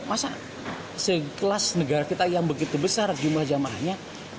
masa sekelas negara kita yang begitu besar jumlah jamaahnya